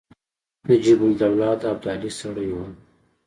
نجیب الدوله د ابدالي سړی وو.